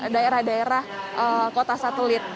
daerah daerah kota satelit